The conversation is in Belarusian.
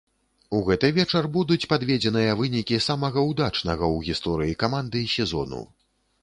У гэты вечар будуць падведзеныя вынікі самага ўдачнага ў гісторыі каманды сезону.